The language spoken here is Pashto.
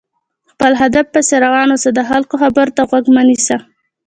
خپل هدف پسې روان اوسه، د خلکو خبرو ته غوږ مه نيسه!